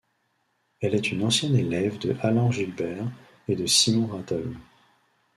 Elle est une ancienne élève de Alan Gilbert et de Simon Rattle.